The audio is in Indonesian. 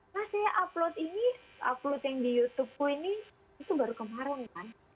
nah saya upload ini upload yang di youtubeku ini itu baru kemarin kan